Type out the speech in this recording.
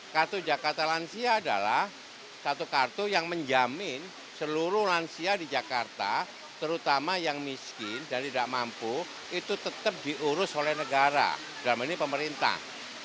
kartu jakarta lansia adalah satu kartu yang menjamin seluruh lansia di jakarta terutama yang miskin dan tidak mampu itu tetap diurus oleh negara dalam ini pemerintah